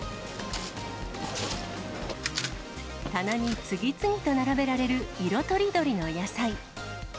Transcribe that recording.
棚に次々と並べられる色とりどりの野菜。